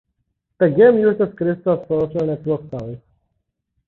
The game uses Crystal’s social network service.